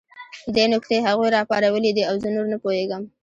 دې نکتې هغوی راپارولي دي او زه نور نه پوهېږم